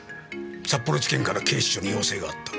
札幌地検から警視庁に要請があった。